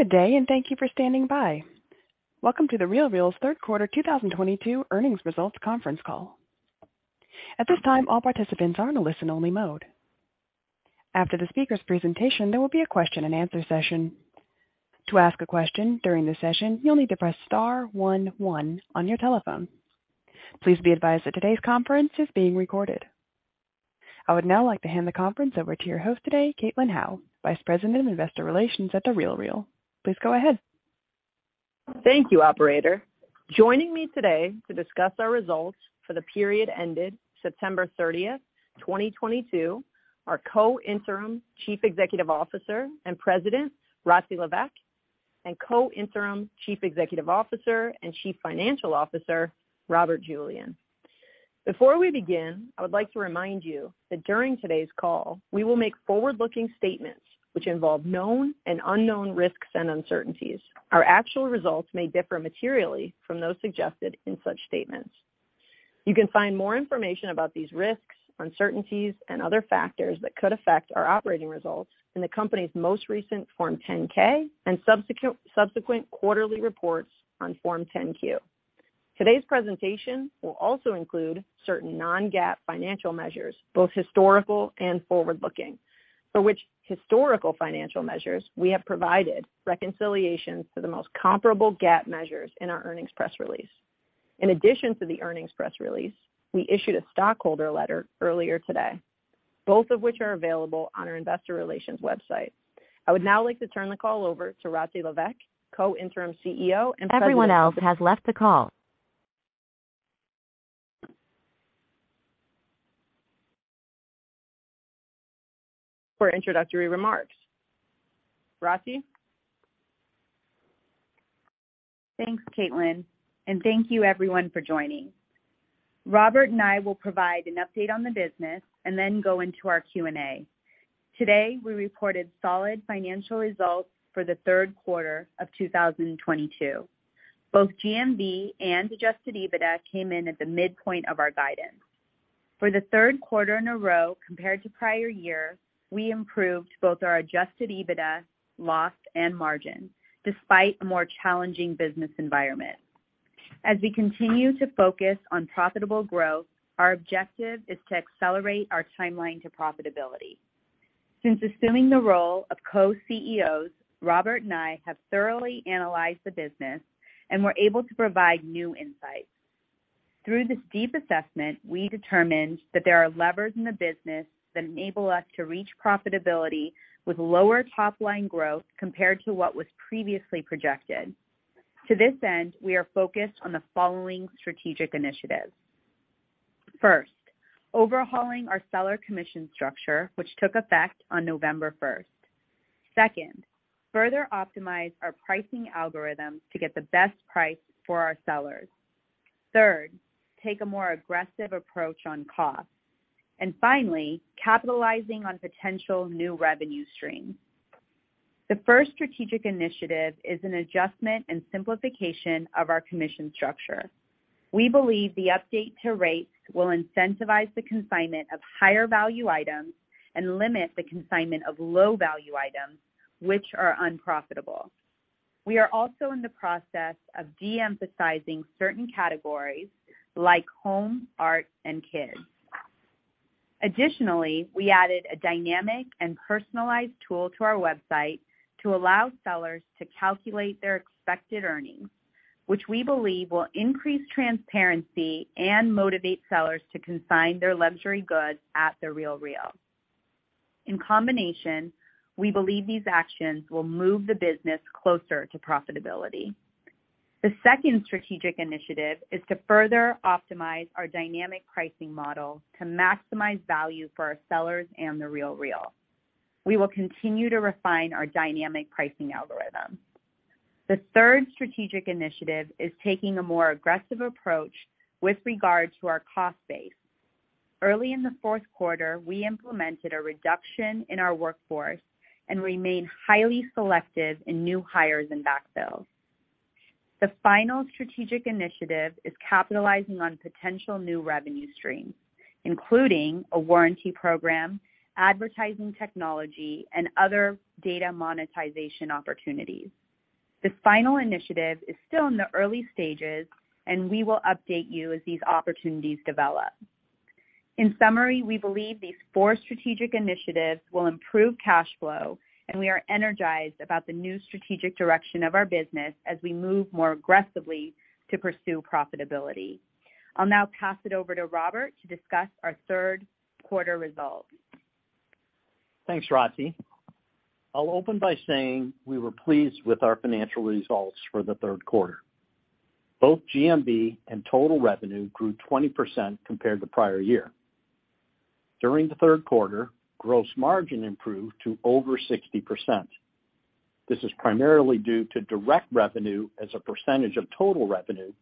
Good day, and thank you for standing by. Welcome to The RealReal's third quarter 2022 earnings results conference call. At this time, all participants are in a listen-only mode. After the speaker's presentation, there will be a question-and-answer session. To ask a question during the session, you'll need to press star one one on your telephone. Please be advised that today's conference is being recorded. I would now like to hand the conference over to your host today, Caitlin Howe, Vice President of Investor Relations at The RealReal. Please go ahead. Thank you, operator. Joining me today to discuss our results for the period ended September 30, 2022 are Co-Interim Chief Executive Officer and President, Rati Levesque, and Co-Interim Chief Executive Officer and Chief Financial Officer, Robert Julian. Before we begin, I would like to remind you that during today's call, we will make forward-looking statements which involve known and unknown risks and uncertainties. Our actual results may differ materially from those suggested in such statements. You can find more information about these risks, uncertainties, and other factors that could affect our operating results in the company's most recent Form 10-K and subsequent quarterly reports on Form 10-Q. Today's presentation will also include certain non-GAAP financial measures, both historical and forward-looking, for which historical financial measures we have provided reconciliations to the most comparable GAAP measures in our earnings press release. In addition to the earnings press release, we issued a stockholder letter earlier today, both of which are available on our investor relations website. I would now like to turn the call over to Rati Levesque, Co-Interim CEO and President. Everyone else has left the call. For introductory remarks. Rati? Thanks, Caitlin, and thank you everyone for joining. Robert and I will provide an update on the business and then go into our Q&A. Today, we reported solid financial results for the third quarter of 2022. Both GMV and Adjusted EBITDA came in at the midpoint of our guidance. For the third quarter in a row compared to prior year, we improved both our Adjusted EBITDA loss and margin despite a more challenging business environment. As we continue to focus on profitable growth, our objective is to accelerate our timeline to profitability. Since assuming the role of co-CEOs, Robert and I have thoroughly analyzed the business and were able to provide new insights. Through this deep assessment, we determined that there are levers in the business that enable us to reach profitability with lower top-line growth compared to what was previously projected. To this end, we are focused on the following strategic initiatives. First, overhauling our seller commission structure, which took effect on November first. Second, further optimize our pricing algorithms to get the best price for our sellers. Third, take a more aggressive approach on costs. Finally, capitalizing on potential new revenue streams. The first strategic initiative is an adjustment and simplification of our commission structure. We believe the update to rates will incentivize the consignment of higher value items and limit the consignment of low value items which are unprofitable. We are also in the process of de-emphasizing certain categories like home, art, and kids. Additionally, we added a dynamic and personalized tool to our website to allow sellers to calculate their expected earnings, which we believe will increase transparency and motivate sellers to consign their luxury goods at The RealReal. In combination, we believe these actions will move the business closer to profitability. The second strategic initiative is to further optimize our dynamic pricing model to maximize value for our sellers and The RealReal. We will continue to refine our dynamic pricing algorithm. The third strategic initiative is taking a more aggressive approach with regard to our cost base. Early in the fourth quarter, we implemented a reduction in our workforce and remain highly selective in new hires and backfills. The final strategic initiative is capitalizing on potential new revenue streams, including a warranty program, advertising technology, and other data monetization opportunities. This final initiative is still in the early stages, and we will update you as these opportunities develop. In summary, we believe these four strategic initiatives will improve cash flow, and we are energized about the new strategic direction of our business as we move more aggressively to pursue profitability. I'll now pass it over to Robert to discuss our third quarter results. Thanks, Rati. I'll open by saying we were pleased with our financial results for the third quarter. Both GMV and total revenue grew 20% compared to prior year. During the third quarter, gross margin improved to over 60%. This is primarily due to direct revenue as a percentage of total revenue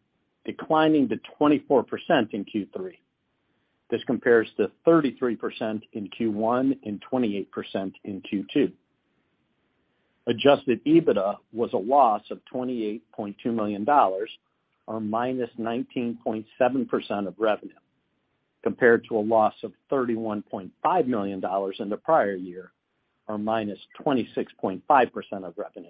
declining to 24% in Q3. This compares to 33% in Q1 and 28% in Q2. Adjusted EBITDA was a loss of $28.2 million, or minus 19.7% of revenue. Compared to a loss of $31.5 million in the prior year, or minus 26.5% of revenue.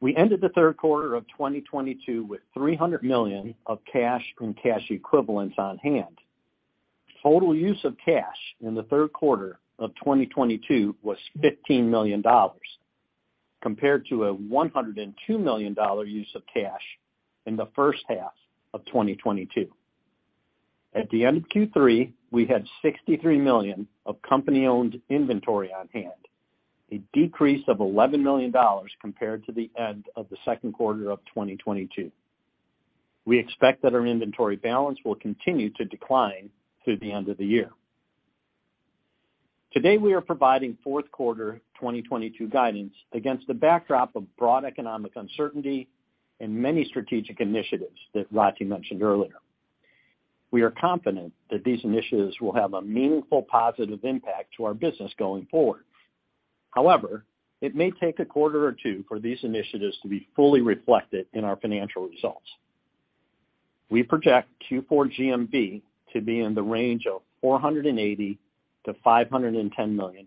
We ended the third quarter of 2022 with $300 million of cash and cash equivalents on hand. Total use of cash in the third quarter of 2022 was $15 million, compared to a $102 million use of cash in the first half of 2022. At the end of Q3, we had $63 million of company-owned inventory on hand, a decrease of $11 million compared to the end of the second quarter of 2022. We expect that our inventory balance will continue to decline through the end of the year. Today, we are providing fourth quarter 2022 guidance against the backdrop of broad economic uncertainty and many strategic initiatives that Rati mentioned earlier. We are confident that these initiatives will have a meaningful positive impact to our business going forward. However, it may take a quarter or two for these initiatives to be fully reflected in our financial results. We project Q4 GMV to be in the range of $480 million-$510 million.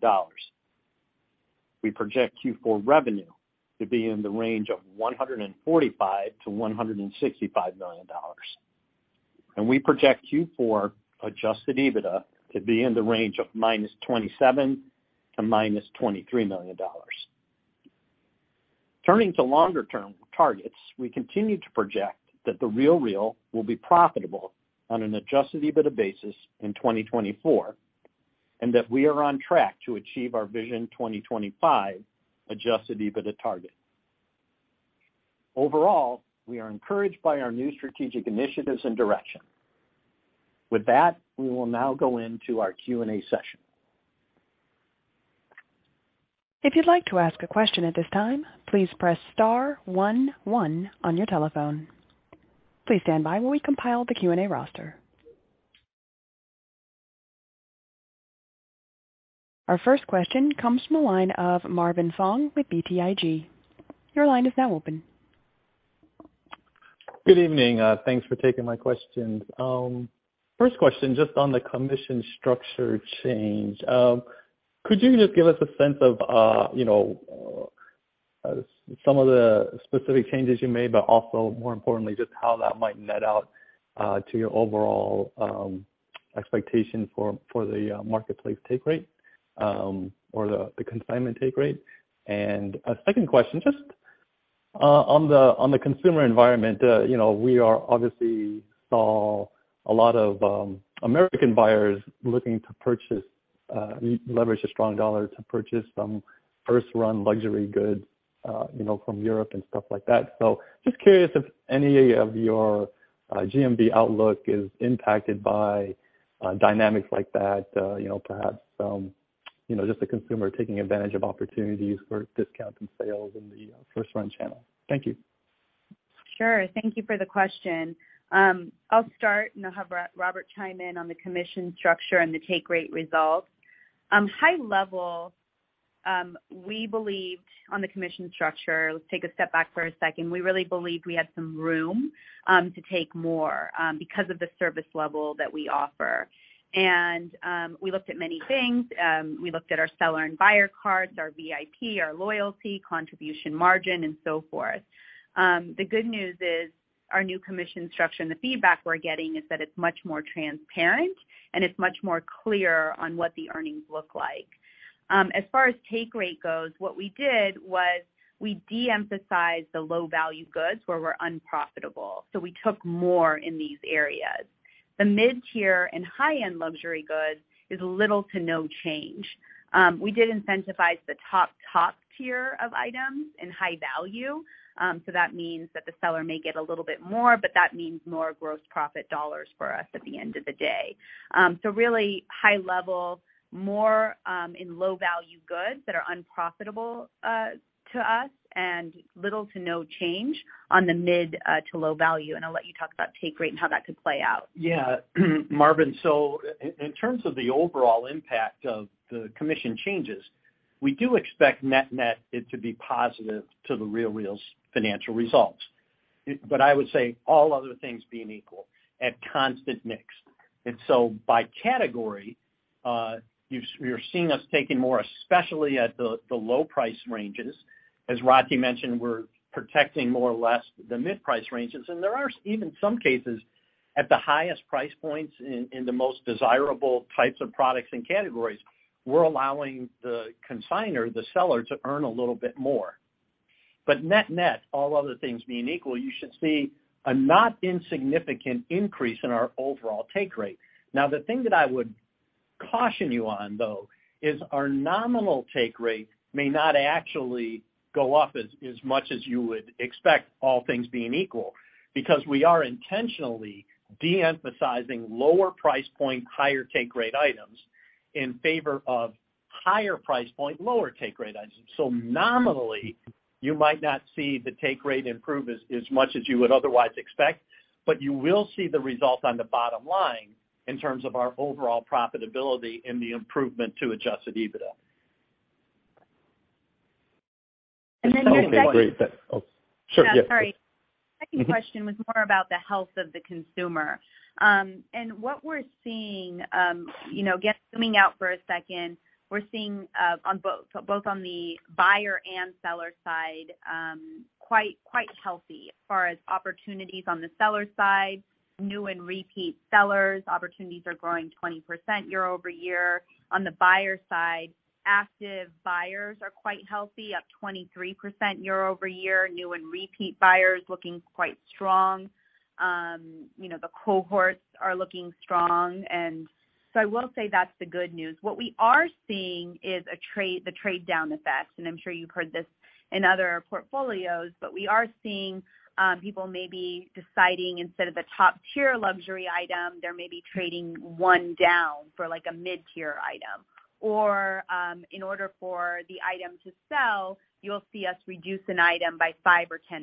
We project Q4 revenue to be in the range of $145 million-$165 million. We project Q4 Adjusted EBITDA to be in the range of -$27 million to -$23 million. Turning to longer-term targets, we continue to project that The RealReal will be profitable on an Adjusted EBITDA basis in 2024, and that we are on track to achieve our Vision 2025 Adjusted EBITDA target. Overall, we are encouraged by our new strategic initiatives and direction. With that, we will now go into our Q&A session. If you'd like to ask a question at this time, please press star one one on your telephone. Please stand by while we compile the Q&A roster. Our first question comes from the line of Marvin Fong with BTIG. Your line is now open. Good evening. Thanks for taking my questions. First question, just on the commission structure change. Could you just give us a sense of, you know, some of the specific changes you made, but also more importantly, just how that might net out, to your overall, expectation for the, marketplace take rate, or the consignment take rate? A second question, just, on the, on the consumer environment, you know, we are obviously saw a lot of, American buyers looking to purchase, leverage the strong dollar to purchase some first-run luxury goods, you know, from Europe and stuff like that. Just curious if any of your GMV outlook is impacted by dynamics like that, you know, perhaps some, you know, just the consumer taking advantage of opportunities for discounts and sales in the first-run channel? Thank you. Sure. Thank you for the question. I'll start and I'll have Robert chime in on the commission structure and the take rate results. High level, we believed on the commission structure. Let's take a step back for a second. We really believed we had some room to take more because of the service level that we offer. We looked at many things. We looked at our seller and buyer cards, our VIP, our loyalty, contribution margin, and so forth. The good news is our new commission structure, and the feedback we're getting is that it's much more transparent and it's much more clear on what the earnings look like. As far as take rate goes, what we did was we de-emphasized the low value goods where we're unprofitable. We took more in these areas. The mid-tier and high-end luxury goods is little to no change. We did incentivize the top tier of items in high value, so that means that the seller may get a little bit more, but that means more gross profit dollars for us at the end of the day. Really high level, more in low value goods that are unprofitable to us and little to no change on the mid to low value. I'll let you talk about take rate and how that could play out. Yeah. Marvin, in terms of the overall impact of the commission changes, we do expect net-net it to be positive to The RealReal's financial results. I would say all other things being equal at constant mix. By category, you're seeing us taking more, especially at the low price ranges. As Rati mentioned, we're protecting more or less the mid-price ranges. There are even some cases at the highest price points in the most desirable types of products and categories, we're allowing the consignor, the seller, to earn a little bit more. Net-net, all other things being equal, you should see a not insignificant increase in our overall take rate. Now, the thing that I would caution you on though, is our nominal take rate may not actually go up as much as you would expect all things being equal, because we are intentionally de-emphasizing lower price point, higher take rate items in favor of higher price point, lower take rate items. Nominally, you might not see the take rate improve as much as you would otherwise expect, but you will see the result on the bottom line in terms of our overall profitability and the improvement to Adjusted EBITDA. Your second. Okay, great. Oh, sure. Yeah. Yeah. Sorry. Second question was more about the health of the consumer. What we're seeing, you know, again, zooming out for a second, we're seeing on both the buyer and seller side, quite healthy as far as opportunities on the seller side, new and repeat sellers, opportunities are growing 20% year-over-year. On the buyer side, active buyers are quite healthy, up 23% year-over-year, new and repeat buyers looking quite strong. You know, the cohorts are looking strong. I will say that's the good news. What we are seeing is a trade, the trade down effect, and I'm sure you've heard this in other portfolios, but we are seeing people maybe deciding instead of the top-tier luxury item, they're maybe trading one down for like a mid-tier item. In order for the item to sell, you'll see us reduce an item by 5% or 10%.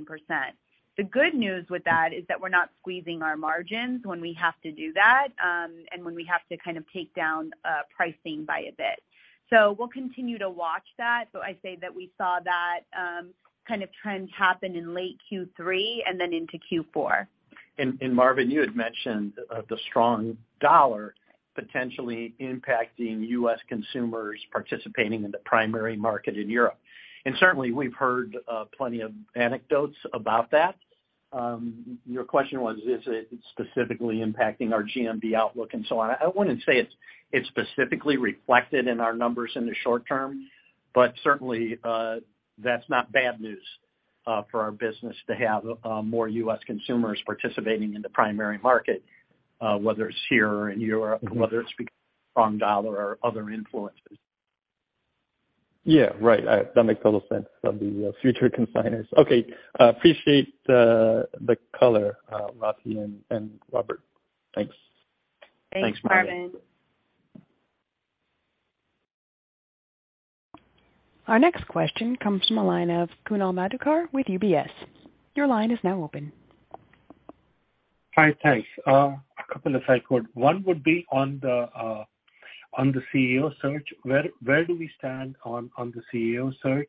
The good news with that is that we're not squeezing our margins when we have to do that, and when we have to kind of take down pricing by a bit. We'll continue to watch that. I say that we saw that kind of trend happen in late Q3 and then into Q4. Marvin, you had mentioned the strong dollar potentially impacting U.S. consumers participating in the primary market in Europe. Certainly we've heard plenty of anecdotes about that. Your question was, is it specifically impacting our GMV outlook and so on? I wouldn't say it's specifically reflected in our numbers in the short term, but certainly that's not bad news for our business to have more U.S. consumers participating in the primary market whether it's here or in Europe, whether it's because of strong dollar or other influences. Yeah. Right. That makes total sense on the future consignors. Okay. Appreciate the color, Rati and Robert. Thanks. Thanks, Marvin. Our next question comes from the line of Kunal Madhukar with UBS. Your line is now open. Hi. Thanks. A couple if I could. One would be on the CEO search. Where do we stand on the CEO search?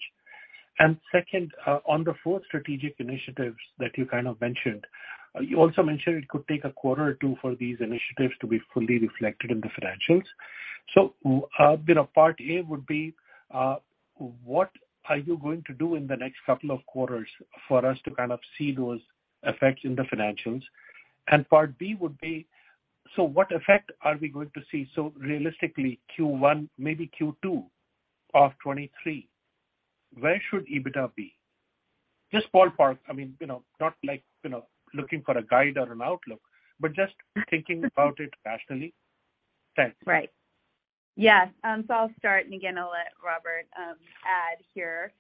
Second, on the four strategic initiatives that you kind of mentioned, you also mentioned it could take a quarter or two for these initiatives to be fully reflected in the financials. You know, part A would be, what are you going to do in the next couple of quarters for us to kind of see those effects in the financials? Part B would be, so what effect are we going to see? Realistically Q1, maybe Q2 of 2023, where should EBITDA be? Just ballpark. I mean, you know, not like, you know, looking for a guide or an outlook, but just thinking about it rationally. Thanks. Right. Yes. I'll start, and again, I'll let Robert add here.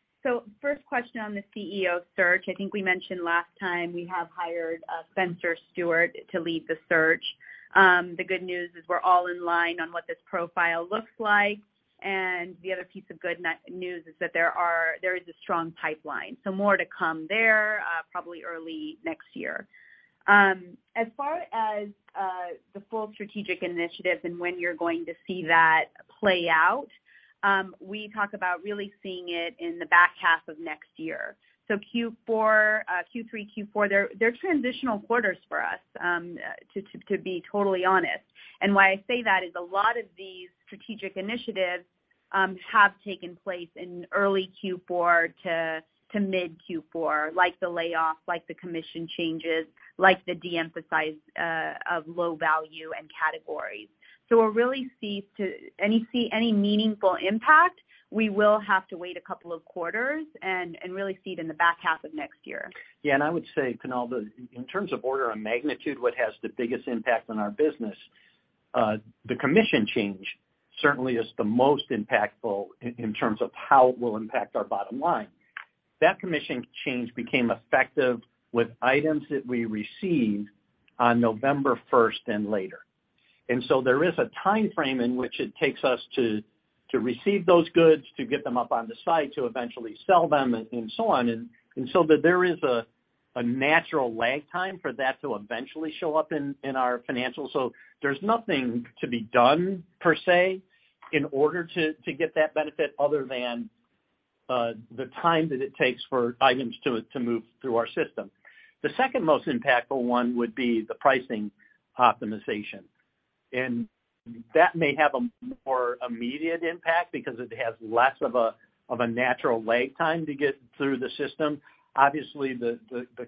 First question on the CEO search. I think we mentioned last time we have hired Spencer Stuart to lead the search. The good news is we're all in line on what this profile looks like. The other piece of good news is that there is a strong pipeline. More to come there, probably early next year. As far as the full strategic initiative and when you're going to see that play out, we talk about really seeing it in the back half of next year. Q4, Q3, Q4, they're transitional quarters for us, to be totally honest. Why I say that is a lot of these strategic initiatives have taken place in early Q4 to mid-Q4, like the layoffs, like the commission changes, like the de-emphasize of low-value categories. We're really not going to see any meaningful impact, we will have to wait a couple of quarters and really see it in the back half of next year. Yeah. I would say, Kunal, in terms of order of magnitude, what has the biggest impact on our business, the commission change certainly is the most impactful in terms of how it will impact our bottom line. That commission change became effective with items that we received on November first and later. There is a timeframe in which it takes us to receive those goods, to get them up on the site, to eventually sell them and so on. That there is a natural lag time for that to eventually show up in our financials. There's nothing to be done per se in order to get that benefit other than the time that it takes for items to move through our system. The second most impactful one would be the pricing optimization, and that may have a more immediate impact because it has less of a natural lag time to get through the system. Obviously, the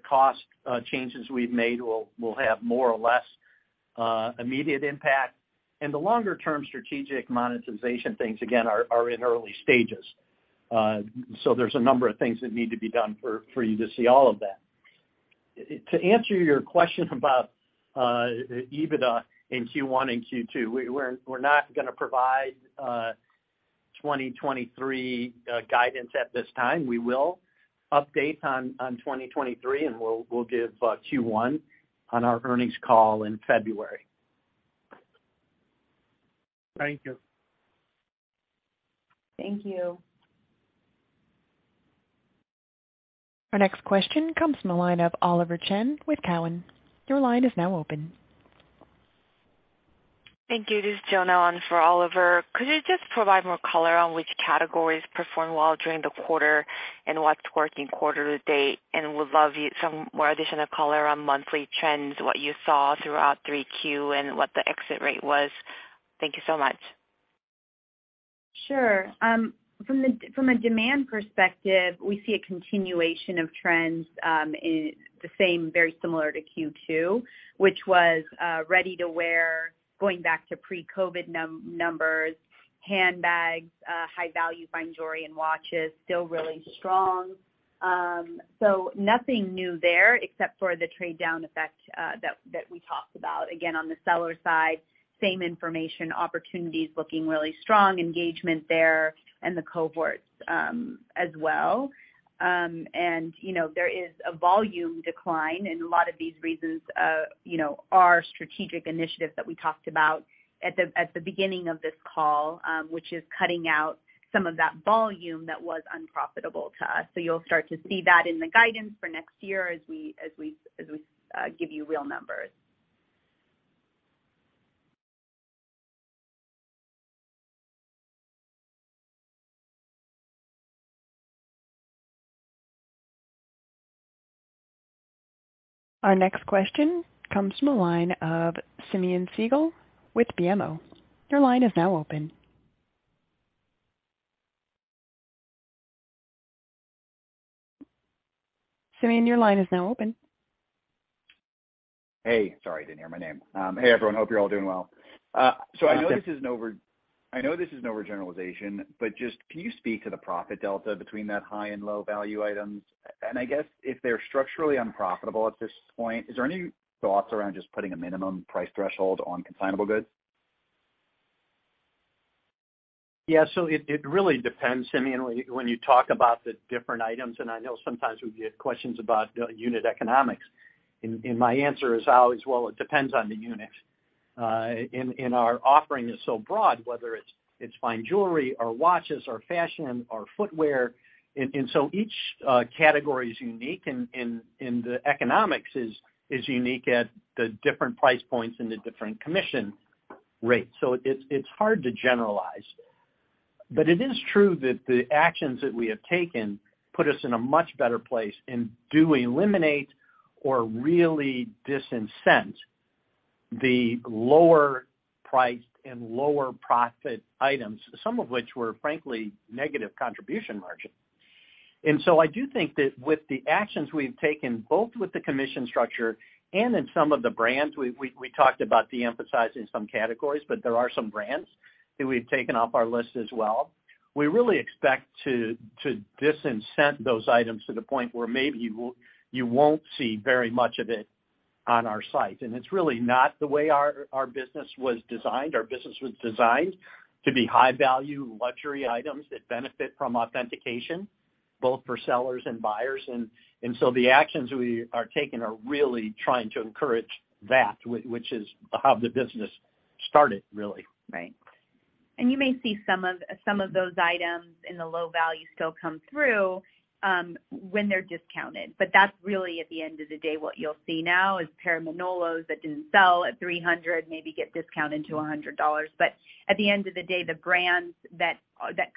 cost changes we've made will have more or less immediate impact. The longer term strategic monetization things again are in early stages. There's a number of things that need to be done for you to see all of that. To answer your question about EBITDA in Q1 and Q2, we're not gonna provide 2023 guidance at this time. We will update on 2023, and we'll give Q1 on our earnings call in February. Thank you. Thank you. Our next question comes from the line of Oliver Chen with Cowen. Your line is now open. Thank you. This is Joanne Allen for Oliver. Could you just provide more color on which categories performed well during the quarter and what's working quarter to date? Would love you some more additional color on monthly trends, what you saw throughout 3Q and what the exit rate was. Thank you so much. Sure. From a demand perspective, we see a continuation of trends very similar to Q2, which was ready to wear going back to pre-COVID numbers, handbags, high value fine jewelry and watches still really strong. Nothing new there except for the trade down effect that we talked about. Again, on the seller side, same information, opportunities looking really strong, engagement there and the cohorts as well. You know, there is a volume decline, and a lot of these reasons, you know, are strategic initiatives that we talked about at the beginning of this call, which is cutting out some of that volume that was unprofitable to us. You'll start to see that in the guidance for next year as we give you real numbers. Our next question comes from the line of Simeon Siegel with BMO. Your line is now open. Simeon, your line is now open. Hey. Sorry, I didn't hear my name. Hey, everyone. Hope you're all doing well. I know this is an overgeneralization, but just can you speak to the profit delta between that high and low value items? I guess if they're structurally unprofitable at this point, is there any thoughts around just putting a minimum price threshold on consignable goods? Yeah. It really depends, Simeon, when you talk about the different items, and I know sometimes we get questions about the unit economics. My answer is always, well, it depends on the unit. Our offering is so broad, whether it's fine jewelry or watches or fashion or footwear. Each category is unique and the economics is unique at the different price points and the different commission rates. It's hard to generalize. It is true that the actions that we have taken put us in a much better place and do eliminate or really disincentivize the lower priced and lower profit items, some of which were frankly negative contribution margin. I do think that with the actions we've taken, both with the commission structure and in some of the brands, we talked about de-emphasizing some categories, but there are some brands that we've taken off our list as well. We really expect to disincent those items to the point where maybe you won't see very much of it on our site. It's really not the way our business was designed. Our business was designed to be high value luxury items that benefit from authentication, both for sellers and buyers. The actions we are taking are really trying to encourage that, which is how the business started really. Right. You may see some of those items in the low value still come through when they're discounted. That's really at the end of the day what you'll see now is pair of Manolos that didn't sell at $300 maybe get discounted to $100. At the end of the day, the brands that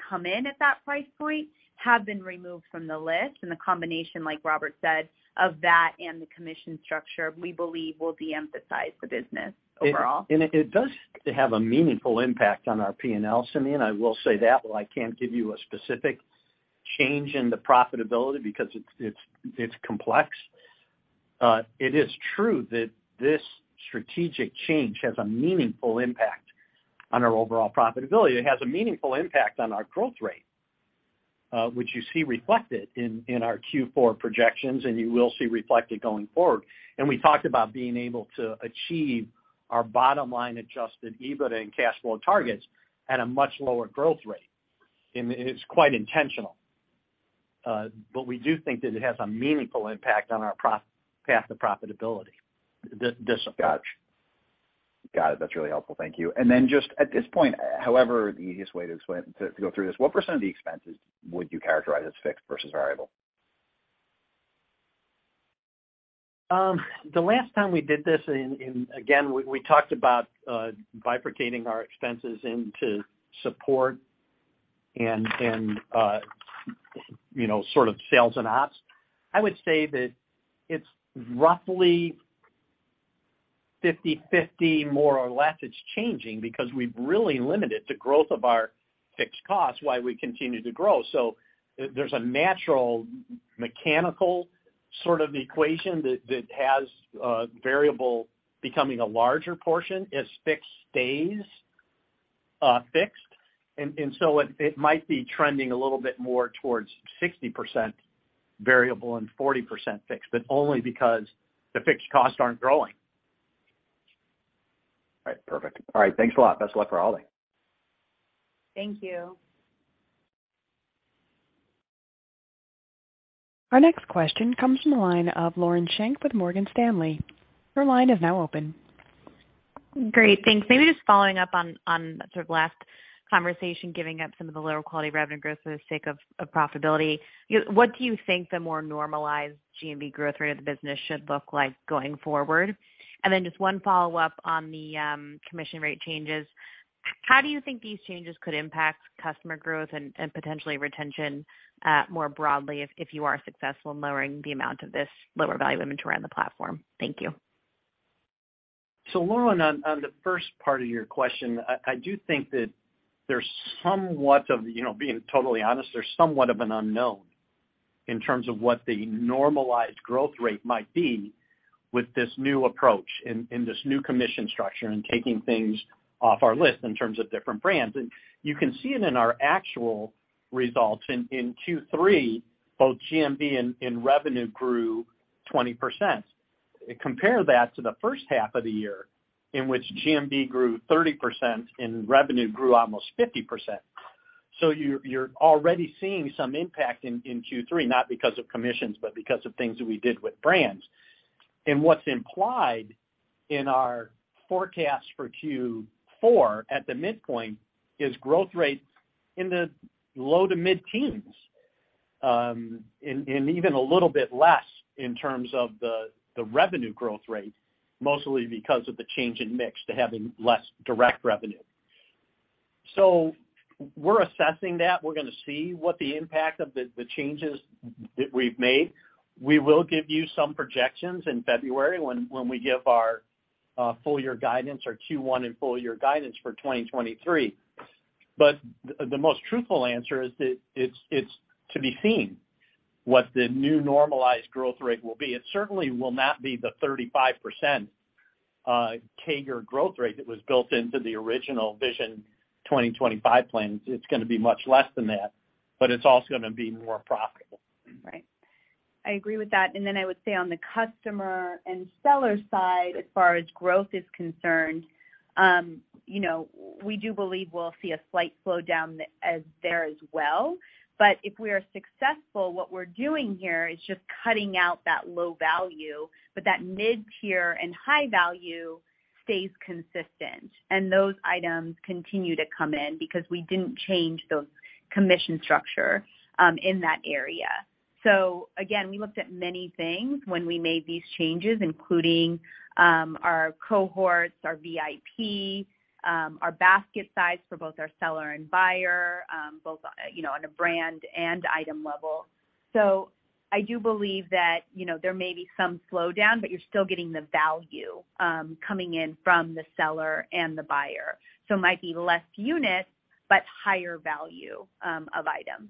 come in at that price point have been removed from the list. The combination, like Robert said, of that and the commission structure, we believe will de-emphasize the business overall. It does have a meaningful impact on our P&L, Simeon. I will say that, while I can't give you a specific change in the profitability because it's complex. It is true that this strategic change has a meaningful impact on our overall profitability. It has a meaningful impact on our growth rate, which you see reflected in our Q4 projections, and you will see reflected going forward. We talked about being able to achieve our bottom line Adjusted EBITDA and cash flow targets at a much lower growth rate, and it's quite intentional. But we do think that it has a meaningful impact on our path to profitability. Gotcha. Got it. That's really helpful. Thank you. Just at this point, however, the easiest way to explain, to go through this, what % of the expenses would you characterize as fixed versus variable? The last time we did this, again, we talked about bifurcating our expenses into support and, you know, sort of sales and ops. I would say that it's roughly 50-50 more or less. It's changing because we've really limited the growth of our fixed costs while we continue to grow. There is a natural mechanical sort of equation that has variable becoming a larger portion as fixed stays fixed. It might be trending a little bit more towards 60% variable and 40% fixed, but only because the fixed costs aren't growing. All right. Perfect. All right. Thanks a lot. Best of luck for all day. Thank you. Our next question comes from the line of Lauren Schenk with Morgan Stanley. Your line is now open. Great. Thanks. Maybe just following up on sort of last conversation, giving up some of the lower quality revenue growth for the sake of profitability. You know, what do you think the more normalized GMV growth rate of the business should look like going forward? Just one follow-up on the commission rate changes. How do you think these changes could impact customer growth and potentially retention more broadly if you are successful in lowering the amount of this lower value inventory on the platform? Thank you. Lauren, on the first part of your question, I do think that there's somewhat of, you know, being totally honest, there's somewhat of an unknown in terms of what the normalized growth rate might be with this new approach and this new commission structure and taking things off our list in terms of different brands. You can see it in our actual results. In Q3, both GMV and revenue grew 20%. Compare that to the first half of the year, in which GMV grew 30% and revenue grew almost 50%. You're already seeing some impact in Q3, not because of commissions, but because of things that we did with brands. What's implied in our forecast for Q4 at the midpoint is growth rates in the low- to mid-teens%, and even a little bit less in terms of the revenue growth rate, mostly because of the change in mix to having less direct revenue. We're assessing that. We're gonna see what the impact of the changes that we've made. We will give you some projections in February when we give our full year guidance or Q1 and full year guidance for 2023. The most truthful answer is that it's to be seen what the new normalized growth rate will be. It certainly will not be the 35% CAGR growth rate that was built into the original Vision 2025 plans. It's gonna be much less than that, but it's also gonna be more profitable. Right. I agree with that. I would say on the customer and seller side, as far as growth is concerned, you know, we do believe we'll see a slight slowdown there as well. If we are successful, what we're doing here is just cutting out that low value, but that mid-tier and high value stays consistent. Those items continue to come in because we didn't change the commission structure, in that area. Again, we looked at many things when we made these changes, including our cohorts, our VIP, our basket size for both our seller and buyer, you know, on a brand and item level. I do believe that, you know, there may be some slowdown, but you're still getting the value coming in from the seller and the buyer. It might be less units, but higher value, of items.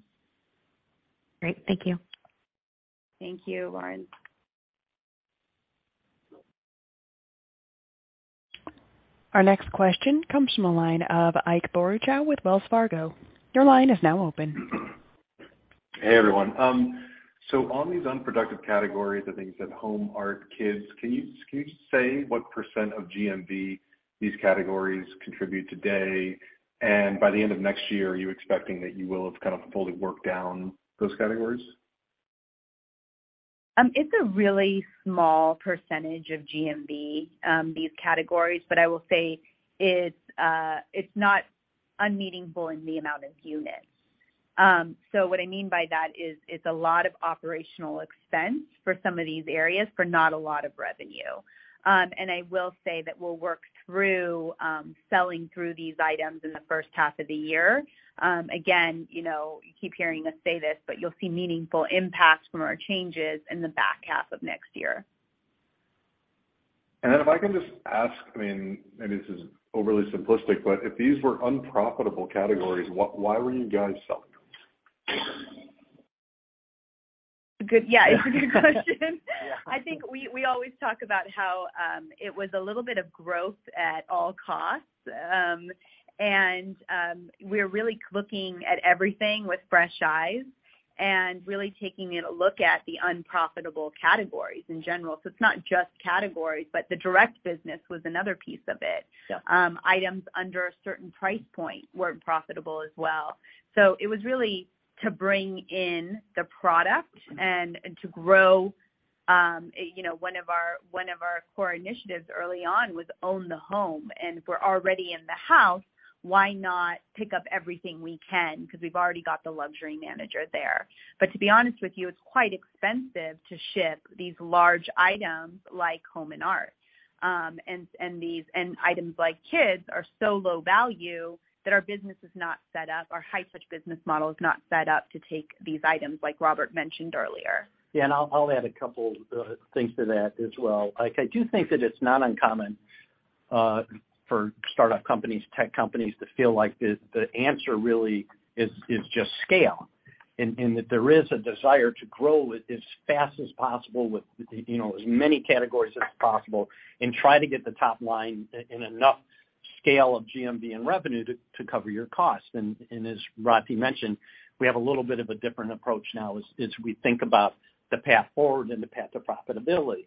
Great. Thank you. Thank you, Lauren. Our next question comes from the line of Ike Boruchow with Wells Fargo. Your line is now open. Hey, everyone. On these unproductive categories, I think you said home, art, kids, can you just say what % of GMV these categories contribute today? By the end of next year, are you expecting that you will have kind of fully worked down those categories? It's a really small percentage of GMV, these categories, but I will say it's not unmeaningful in the amount of units. What I mean by that is it's a lot of operational expense for some of these areas for not a lot of revenue. I will say that we'll work through selling through these items in the first half of the year. Again, you know, you keep hearing us say this, but you'll see meaningful impacts from our changes in the back half of next year. If I can just ask, I mean, maybe this is overly simplistic, but if these were unprofitable categories, why were you guys selling them? Good. Yeah, it's a good question. Yeah. I think we always talk about how it was a little bit of growth at all costs. We're really looking at everything with fresh eyes and really taking a look at the unprofitable categories in general. It's not just categories, but the direct business was another piece of it. Yeah. Items under a certain price point weren't profitable as well. It was really to bring in the product and to grow, you know, one of our core initiatives early on was own the home. If we're already in the house, why not pick up everything we can? Because we've already got the luxury manager there. To be honest with you, it's quite expensive to ship these large items like home and art. Items like kids are so low value that our business is not set up, our high touch business model is not set up to take these items, like Robert mentioned earlier. Yeah, I'll add a couple things to that as well. Like, I do think that it's not uncommon for startup companies, tech companies to feel like the answer really is just scale. That there is a desire to grow as fast as possible with, you know, as many categories as possible and try to get the top line and enough scale of GMV and revenue to cover your costs. As Rati mentioned, we have a little bit of a different approach now as we think about the path forward and the path to profitability.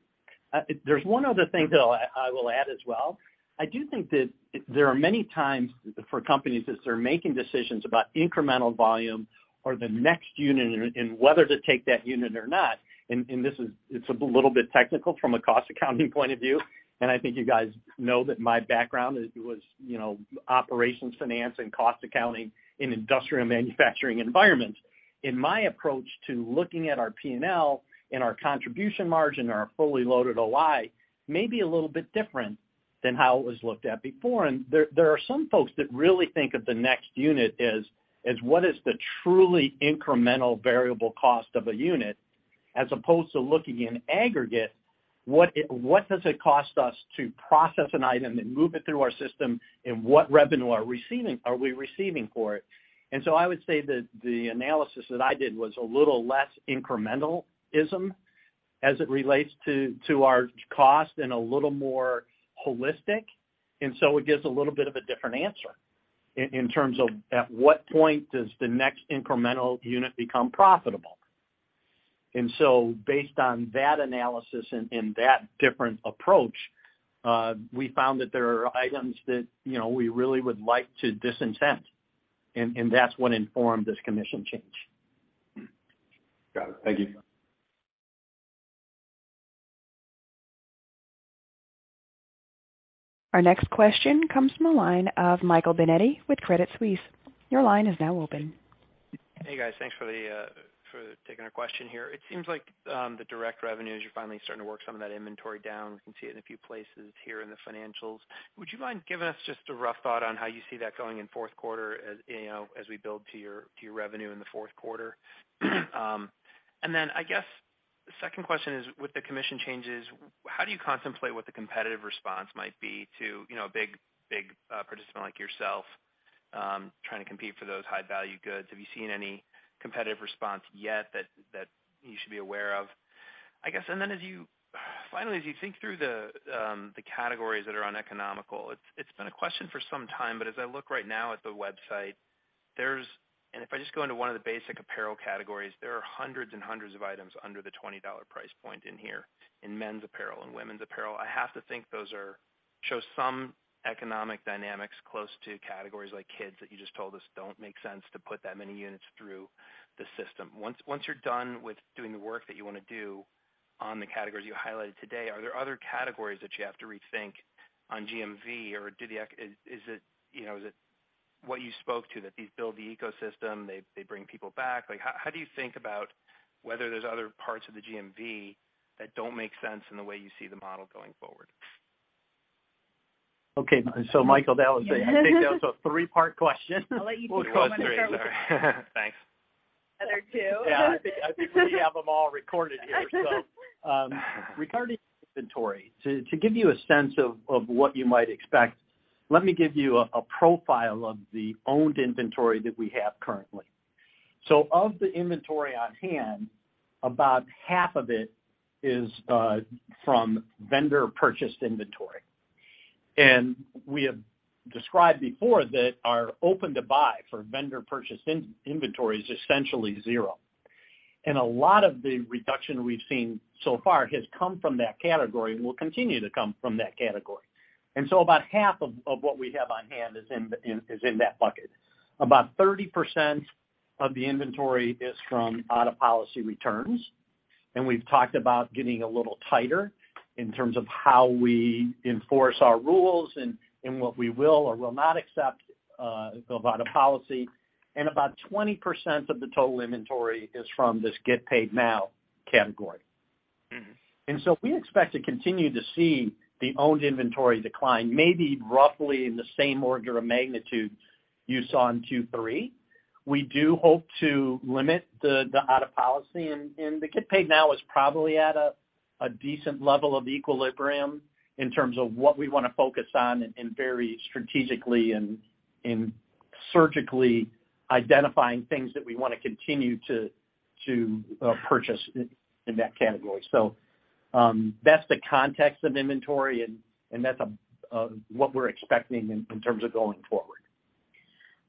There's one other thing that I will add as well. I do think that there are many times for companies as they're making decisions about incremental volume or the next unit and whether to take that unit or not, and this is a little bit technical from a cost accounting point of view, and I think you guys know that my background was, you know, operations finance and cost accounting in industrial manufacturing environments. In my approach to looking at our P&L and our contribution margin and our fully loaded OI may be a little bit different than how it was looked at before. There are some folks that really think of the next unit as what is the truly incremental variable cost of a unit as opposed to looking in aggregate, what does it cost us to process an item and move it through our system, and what revenue are we receiving for it? I would say that the analysis that I did was a little less incrementalism as it relates to our cost and a little more holistic. It gives a little bit of a different answer in terms of at what point does the next incremental unit become profitable. Based on that analysis and that different approach, we found that there are items that, you know, we really would like to disincent. That's what informed this commission change. Got it. Thank you. Our next question comes from the line of Michael Binetti with Credit Suisse. Your line is now open. Hey, guys. Thanks for taking a question here. It seems like the direct revenues, you're finally starting to work some of that inventory down. We can see it in a few places here in the financials. Would you mind giving us just a rough thought on how you see that going in fourth quarter as, you know, as we build to your revenue in the fourth quarter? And then I guess the second question is, with the commission changes, how do you contemplate what the competitive response might be to, you know, a big participant like yourself, trying to compete for those high-value goods? Have you seen any competitive response yet that you should be aware of? I guess, finally, as you think through the categories that are uneconomical, it's been a question for some time, but as I look right now at the website, there's if I just go into one of the basic apparel categories, there are hundreds and hundreds of items under the $20 price point in here in men's apparel and women's apparel. I have to think those are show some economic dynamics close to categories like kids that you just told us don't make sense to put that many units through the system. Once you're done with doing the work that you wanna do on the categories you highlighted today, are there other categories that you have to rethink on GMV? Is it, you know, what you spoke to, that these build the ecosystem, they bring people back? Like, how do you think about whether there's other parts of the GMV that don't make sense in the way you see the model going forward? Okay. Michael, that was a, I think that was a three-part question. I'll let you take one and throw one. Thanks. other two. Yeah. I think we have them all recorded here. Regarding inventory, to give you a sense of what you might expect, let me give you a profile of the owned inventory that we have currently. Of the inventory on hand, about half of it is from vendor-purchased inventory. We have described before that our open to buy for vendor-purchased inventory is essentially zero. A lot of the reduction we've seen so far has come from that category and will continue to come from that category. About half of what we have on hand is in that bucket. About 30% of the inventory is from out-of-policy returns, and we've talked about getting a little tighter in terms of how we enforce our rules and what we will or will not accept about a policy. About 20% of the total inventory is from this Get Paid Now category. We expect to continue to see the owned inventory decline, maybe roughly in the same order of magnitude you saw in two-three. We do hope to limit the out-of-policy, and the Get Paid Now is probably at a decent level of equilibrium in terms of what we wanna focus on and very strategically and surgically identifying things that we wanna continue to purchase in that category. That's the context of inventory and that's what we're expecting in terms of going forward.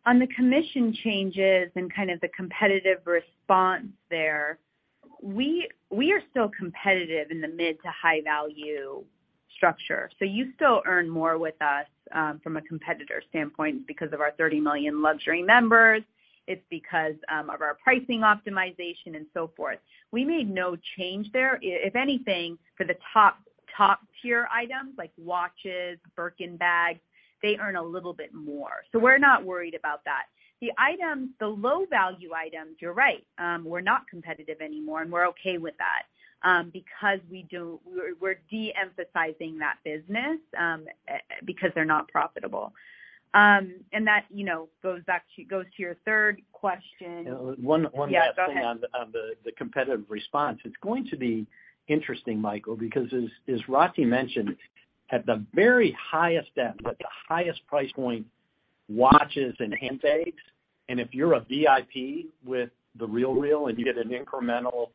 On the commission changes and kind of the competitive response there, we are still competitive in the mid to high value structure. You still earn more with us, from a competitor standpoint because of our 30 million luxury members. It's because of our pricing optimization and so forth. We made no change there. If anything, for the top-tier items like watches, Birkin bags, they earn a little bit more. We're not worried about that. The items, the low-value items, you're right, we're not competitive anymore, and we're okay with that, because we're de-emphasizing that business because they're not profitable. And that, you know, goes to your third question. One last thing. Yeah, go ahead. On the competitive response. It's going to be interesting, Michael, because as Rati mentioned, at the very highest end, at the highest price point, watches and handbags, and if you're a VIP with The RealReal and you get an incremental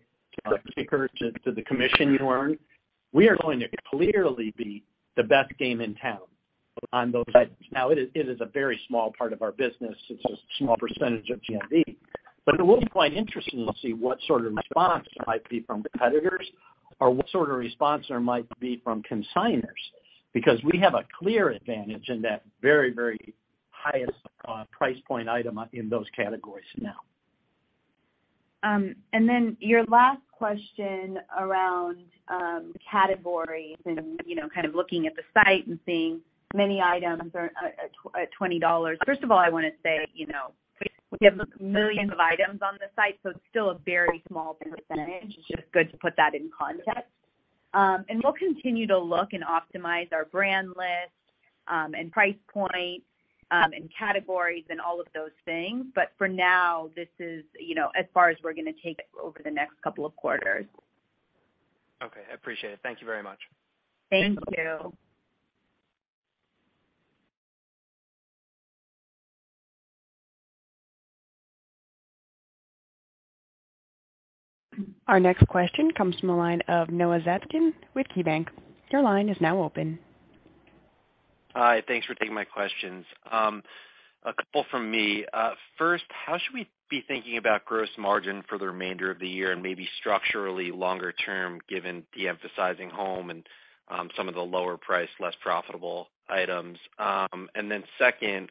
kicker to the commission you earn, we are going to clearly be the best game in town on those items. Now it is a very small part of our business. It's a small percentage of GMV. It will be quite interesting to see what sort of response there might be from competitors or what sort of response there might be from consignors, because we have a clear advantage in that very highest price point item in those categories now. Your last question around categories and, you know, kind of looking at the site and seeing many items are at $20. First of all, I wanna say, you know, we have millions of items on the site, so it's still a very small percentage. It's just good to put that in context. We'll continue to look and optimize our brand list, and price point, and categories and all of those things. For now, this is, you know, as far as we're gonna take it over the next couple of quarters. Okay, I appreciate it. Thank you very much. Thank you. Our next question comes from the line of Noah Zatzkin with KeyBank. Your line is now open. Hi. Thanks for taking my questions. A couple from me. First, how should we be thinking about gross margin for the remainder of the year and maybe structurally longer term, given de-emphasizing home and some of the lower price, less profitable items? Second,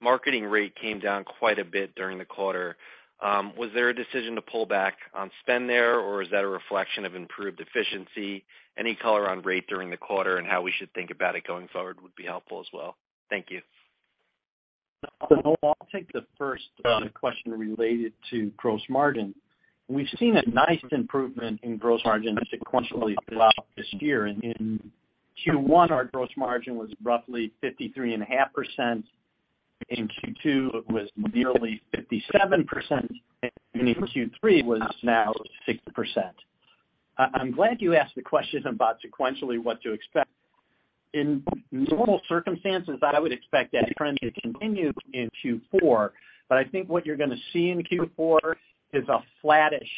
marketing rate came down quite a bit during the quarter. Was there a decision to pull back on spend there, or is that a reflection of improved efficiency? Any color on rate during the quarter and how we should think about it going forward would be helpful as well. Thank you. Noah, I'll take the first question related to gross margin. We've seen a nice improvement in gross margin sequentially throughout this year. In Q1, our gross margin was roughly 53.5%. In Q2, it was nearly 57%. In Q3 was now 60%. I'm glad you asked the question about sequentially what to expect. In normal circumstances, I would expect that trend to continue in Q4, but I think what you're gonna see in Q4 is a flattish,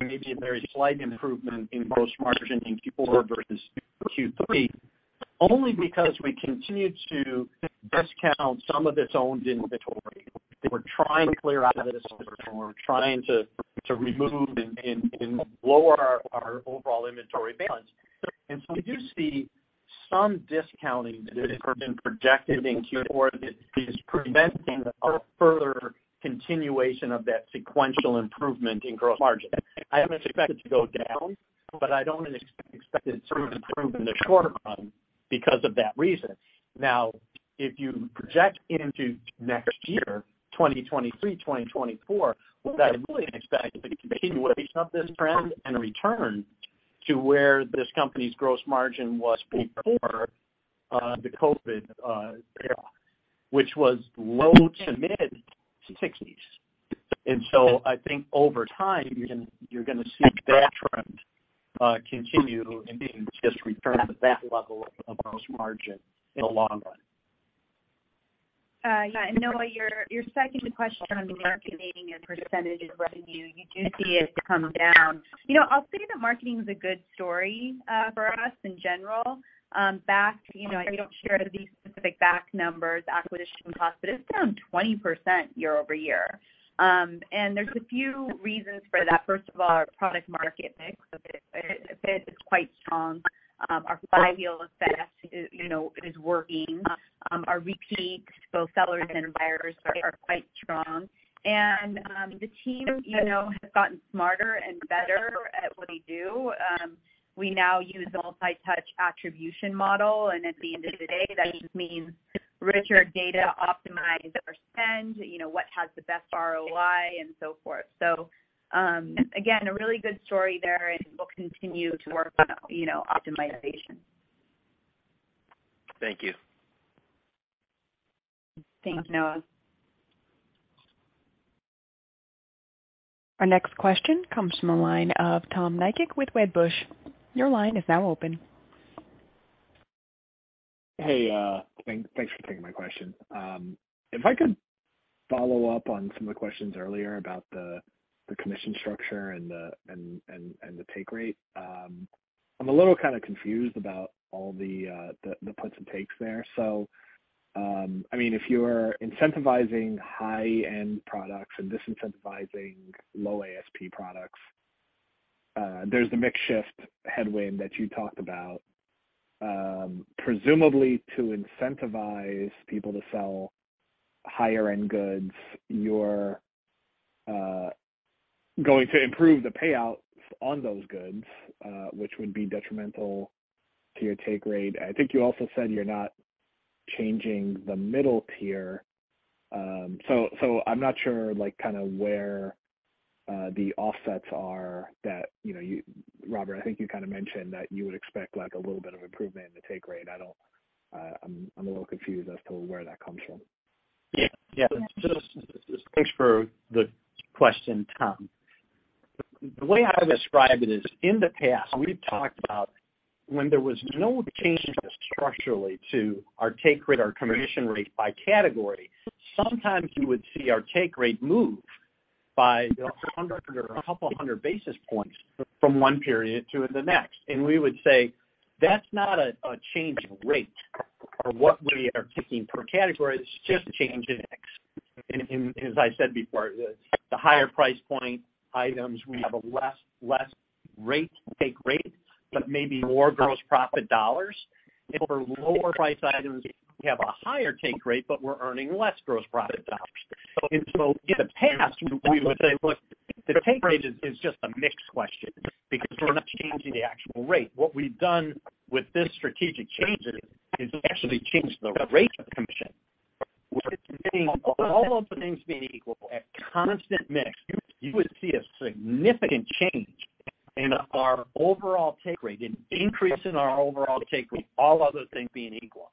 maybe a very slight improvement in gross margin in Q4 versus Q3, only because we continue to discount some of this owned inventory that we're trying to clear out of the system, or we're trying to remove and lower our overall inventory balance. You see some discounting that has been projected in Q4 that is preventing a further continuation of that sequential improvement in gross margin. I haven't expected it to go down, but I don't expect it to improve in the short run because of that reason. Now, if you project into next year, 2023, 2024, I really expect a continuation of this trend and a return to where this company's gross margin was before, the COVID era, which was low- to mid-60s%. I think over time, you're gonna see that trend continue and just return to that level of gross margin in the long run. Yeah. Noah, your second question on marketing as a percentage of revenue, you do see it come down. You know, I'll say that marketing is a good story for us in general. Back to, you know, I don't share the specific back numbers, acquisition costs, but it's down 20% year-over-year. There's a few reasons for that. First of all, our product market mix is quite strong. Our five-year look back, you know, is working. Our repeats, both sellers and buyers are quite strong. The team, you know, has gotten smarter and better at what they do. We now use a multi-touch attribution model, and at the end of the day, that just means richer data optimize our spend, you know, what has the best ROI and so forth. Again, a really good story there, and we'll continue to work on, you know, optimization. Thank you. Thanks, Noah. Our next question comes from the line of Tom Nikic with Wedbush. Your line is now open. Hey, thanks for taking my question. If I could follow up on some of the questions earlier about the commission structure and the take rate. I'm a little kind of confused about all the puts and takes there. I mean, if you're incentivizing high-end products and disincentivizing low ASP products, there's the mix shift headwind that you talked about. Presumably to incentivize people to sell higher end goods, you're going to improve the payouts on those goods, which would be detrimental to your take rate. I think you also said you're not changing the middle tier. I'm not sure, like, kinda where the offsets are that, you know, you Robert, I think you kinda mentioned that you would expect, like, a little bit of improvement in the take rate. I'm a little confused as to where that comes from. Yeah. Just thanks for the question, Tom. The way I describe it is, in the past, we've talked about when there was no change structurally to our take rate or commission rate by category, sometimes you would see our take rate move by 100 or a couple hundred basis points from one period to the next. We would say, that's not a change in rate or what we are taking per category. It's just a change in mix. As I said before, the higher price point items, we have a less take rate, but maybe more gross profit dollars. For lower price items, we have a higher take rate, but we're earning less gross profit dollars. In the past, we would say, look, the take rate is just a mix question because we're not changing the actual rate. What we've done with this strategic change is actually change the rate of commission. With all those things being equal at constant mix, you would see a significant change in our overall take rate, an increase in our overall take rate, all other things being equal.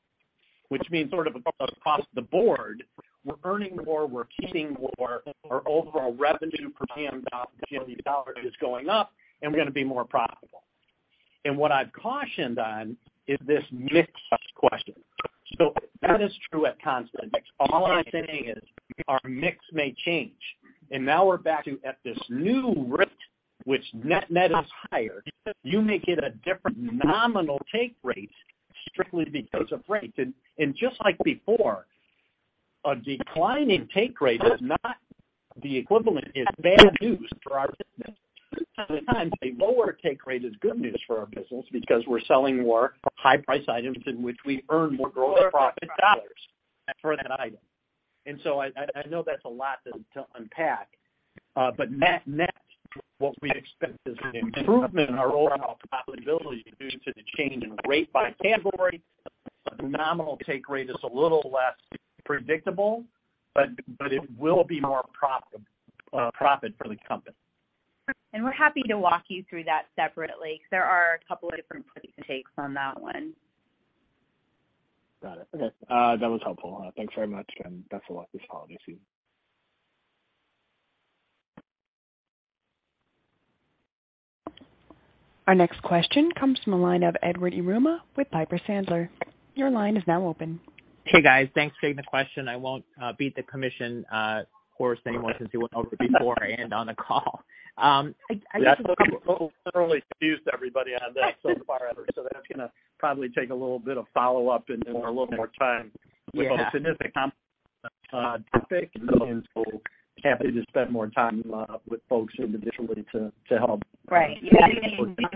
Which means sort of across the board, we're earning more, we're keeping more, our overall revenue per GMV dollar is going up and we're gonna be more profitable. What I've cautioned on is this mix question. That is true at constant mix. All I'm saying is our mix may change, and now we're back to at this new rate, which net-net is higher, you may get a different nominal take rate strictly because of rate. Just like before, a decline in take rate is not the equivalent of bad news for our business. Sometimes a lower take rate is good news for our business because we're selling more high price items in which we earn more gross profit dollars for that item. I know that's a lot to unpack. Net-net, what we expect is an improvement in our overall profitability due to the change in rate by category. Nominal take rate is a little less predictable, but it will be more profit for the company. We're happy to walk you through that separately, 'cause there are a couple of different takes on that one. Got it. Okay. That was helpful. Thanks very much, and best of luck this holiday season. Our next question comes from the line of Edward Yruma with Piper Sandler. Your line is now open. Hey, guys. Thanks for taking the question. I won't beat a dead horse anymore since you went over it before and on the call. I think. We thoroughly confused everybody on that so far, Edward, so that's gonna probably take a little bit of follow-up and then a little more time. Yeah. With a significant topic, and so happy to spend more time with folks individually to help. Right. Yeah. We can talk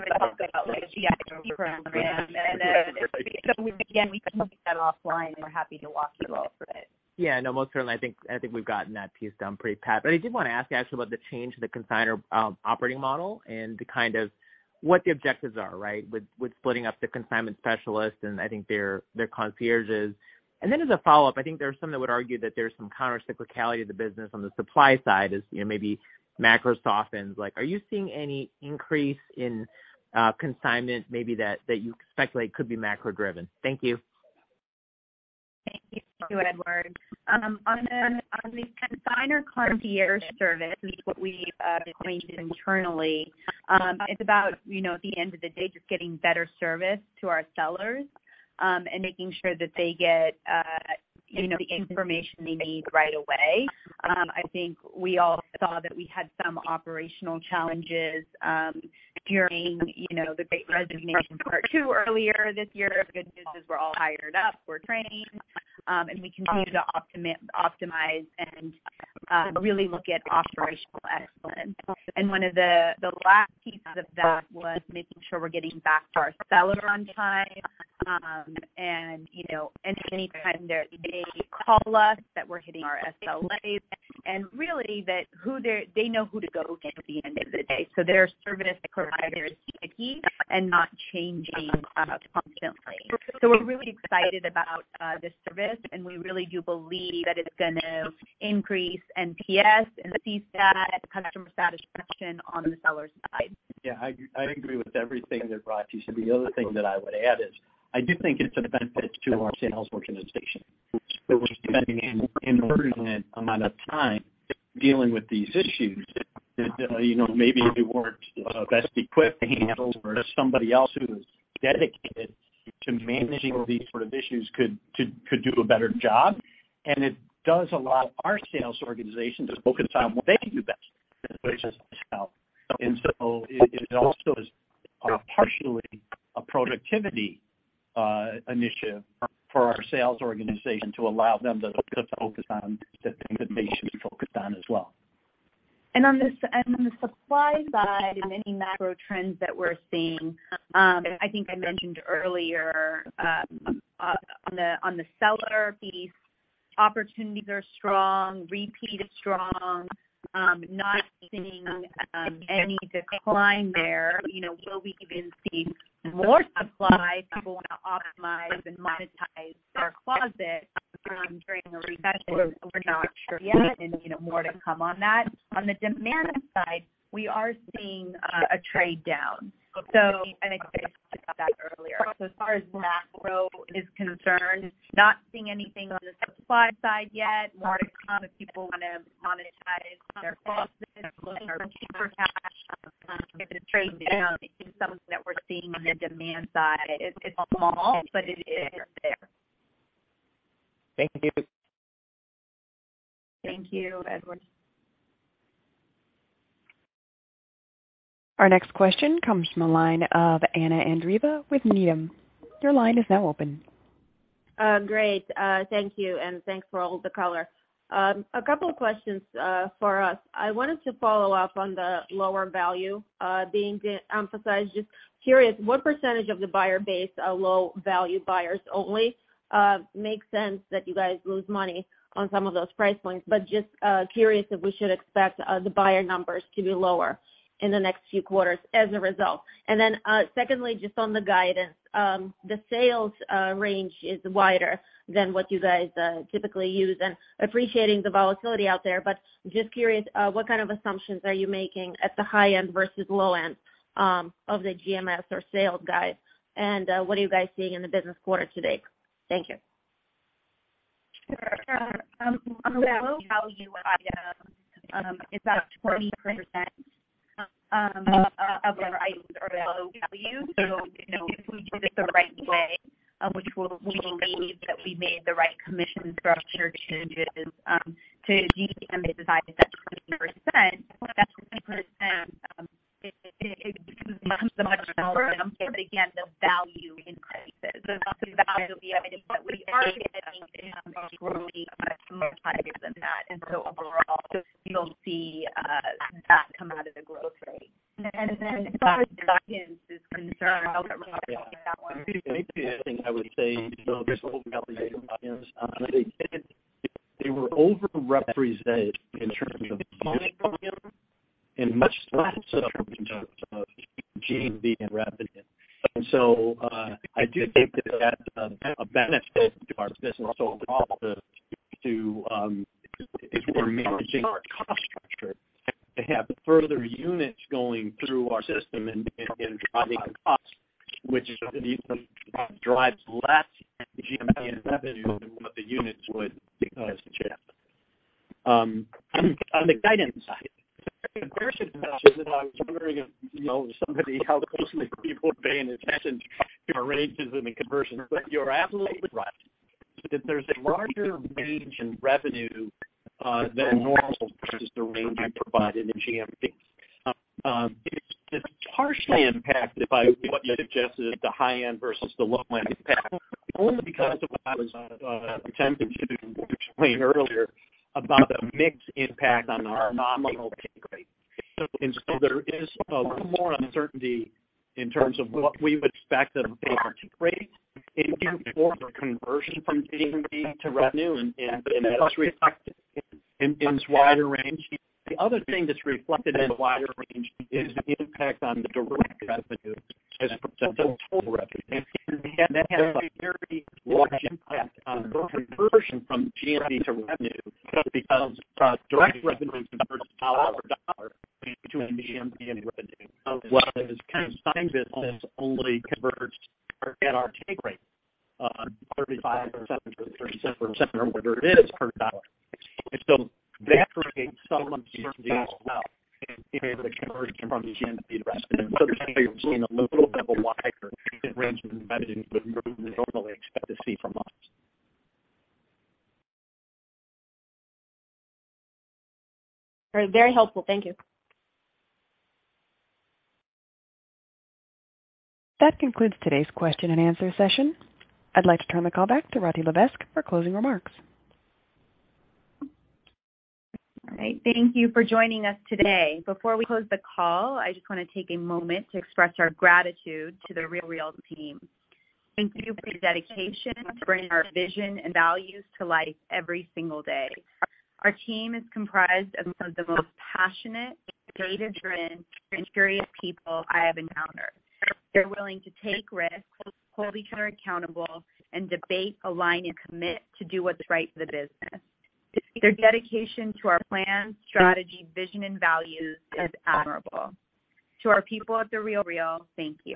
about the VIP program and then again, we can talk about it offline and we're happy to walk you all through it. Yeah, no, most certainly. I think we've gotten that piece down pretty pat. I did wanna ask actually about the change to the consignor operating model and the kind of what the objectives are, right? With splitting up the consignment specialist and I think their concierges. Then as a follow-up, I think there are some that would argue that there's some countercyclicality of the business on the supply side as, you know, maybe macro softens. Like, are you seeing any increase in consignment maybe that you speculate could be macro driven? Thank you. Thank you, Edward. On the consignor concierge service is what we've coined internally, it's about, you know, at the end of the day, just getting better service to our sellers, and making sure that they get, you know, the information they need right away. I think we all saw that we had some operational challenges during, you know, the great resignation part two earlier this year. The good news is we're all hired up, we're training, and we continue to optimize and really look at operational excellence. One of the last pieces of that was making sure we're getting back to our seller on time. You know, any time they call us, that we're hitting our SLAs. They know who to go to at the end of the day. Their service provider is unique and not changing constantly. We're really excited about this service, and we really do believe that it's gonna increase NPS and CSAT, customer satisfaction on the seller side. Yeah. I agree with everything that Rati said. The other thing that I would add is I do think it's a benefit to our sales organization, which was spending an inordinate amount of time dealing with these issues that, you know, maybe we weren't best equipped to handle, whereas somebody else who was dedicated to managing these sort of issues could do a better job. It does allow our sales organization to focus on what they do best, which is sell. It also is partially a productivity initiative for our sales organization to allow them to focus on the things that they should be focused on as well. On the supply side, any macro trends that we're seeing. I think I mentioned earlier, on the seller piece, opportunities are strong, repeat is strong. Not seeing any decline there. You know, will we even see more supply? People wanna optimize and monetize their closet during a recession. We're not sure yet, you know, more to come on that. On the demand side, we are seeing a trade down. I think I talked about that earlier. As far as macro is concerned, not seeing anything on the supply side yet. More to come if people wanna monetize their closet and looking for cheaper cash. If the trade down is something that we're seeing on the demand side, it's small, but it is there. Thank you. Thank you, Edward. Our next question comes from the line of Anna Andreeva with Needham. Your line is now open. Great. Thank you, and thanks for all the color. A couple of questions for us. I wanted to follow up on the lower value being de-emphasized. Just curious, what percentage of the buyer base are low value buyers only? Makes sense that you guys lose money on some of those price points, but just curious if we should expect the buyer numbers to be lower in the next few quarters as a result. Secondly, just on the guidance, the sales range is wider than what you guys typically use, and appreciating the volatility out there, but just curious what kind of assumptions are you making at the high end versus low end of the GMV or sales guide? What are you guys seeing in the business quarter to date? Thank you. Sure. On the low value item, it's about 20% of our items are low value. You know, if we did it the right way, we will believe that we made the right commission structure changes to GMV divided by 20%. That 20%, it becomes a much smaller item. Again, the value increases. The value of the items that we are getting, which will be a multiplier than that. Overall, you'll see that come out of the growth rate. As far as guidance is concerned, I'll let Rob take that one. Maybe the only thing I would say, just what we got the guidance on. They were over-represented in terms of unit volume and much less so in terms of GMV and revenue. I do think that that's a benefit to our business overall, as we're managing our cost structure to have further units going through our system and driving costs, which drives less GMV and revenue than what the units would because of churn. On the guidance side, the conversion discussion that I was wondering if somebody, how closely people are paying attention to our rates and the conversion. You're absolutely right that there's a larger range in revenue than normal versus the range we provide in the GMV. It's partially impacted by what you suggested at the high end versus the low end impact, only because of what I was attempting to explain earlier about the mix impact on our nominal take rate. There is a little more uncertainty in terms of what we would expect at a basic rate and therefore the conversion from GMV to revenue. That's reflected in this wider range. The other thing that's reflected in the wider range is the impact on the direct revenue as percent of total revenue. That has a very large impact on the conversion from GMV to revenue because direct revenue converts dollar for dollar between GMV and revenue. While the consignment business only converts at our take rate, 35% or 37% or whatever it is per dollar. that creates some uncertainty as well in terms of the conversion from GMV to revenue. That's why you're seeing a little bit of a wider range than you would normally expect to see from us. Very helpful. Thank you. That concludes today's question and answer session. I'd like to turn the call back to Rati Levesque for closing remarks. All right. Thank you for joining us today. Before we close the call, I just want to take a moment to express our gratitude to The RealReal team. Thank you for your dedication to bringing our vision and values to life every single day. Our team is comprised of some of the most passionate, data-driven, and curious people I have encountered. They're willing to take risks, hold each other accountable, and debate, align, and commit to do what's right for the business. Their dedication to our plan, strategy, vision, and values is admirable. To our people at The RealReal, thank you.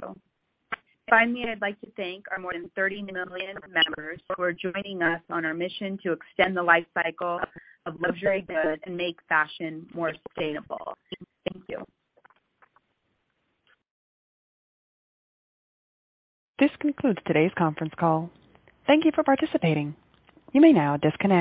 Finally, I'd like to thank our more than 30 million members for joining us on our mission to extend the life cycle of luxury goods and make fashion more sustainable. Thank you. This concludes today's conference call. Thank you for participating. You may now disconnect.